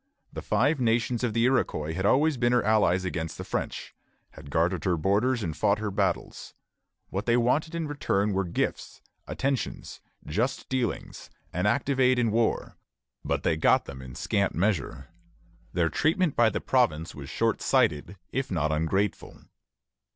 The Five Nations of the Iroquois had always been her allies against the French, had guarded her borders and fought her battles. What they wanted in return were gifts, attentions, just dealings, and active aid in war; but they got them in scant measure. Their treatment by the province was short sighted, if not ungrateful.